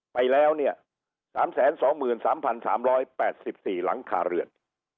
ไปแล้วเนี่ย๓๒๓๓๘๔หลังคาเรือน